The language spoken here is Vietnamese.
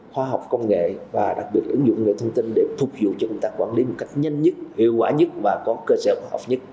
khoa học công nghệ và đặc biệt ứng dụng công nghệ thông tin để phục vụ cho công tác quản lý một cách nhanh nhất hiệu quả nhất và có cơ sở khoa học nhất